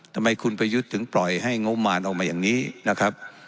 ทำไมคุณประยุทธ์ถึงปล่อยให้งบมารออกมาอย่างนี้นะครับ